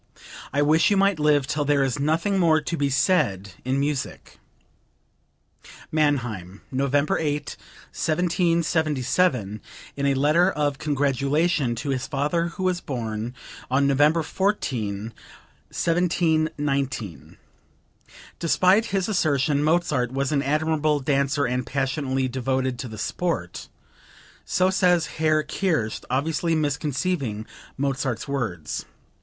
I wish you might live till there is nothing more to be said in music." (Mannheim, November 8, 1777, in a letter of congratulation to his father who was born on November 14, 1719. Despite his assertion Mozart was an admirable dancer and passionately devoted to the sport. [So says Herr Kerst obviously misconceiving Mozart's words.